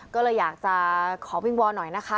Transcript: ก็เลยอยากจะขอวิงวอนหน่อยนะคะ